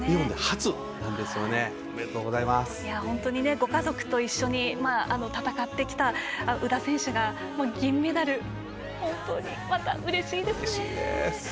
ご家族と一緒に戦ってきた宇田選手が銀メダル、本当にうれしいですね。